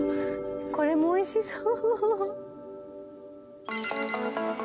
これも美味しそう。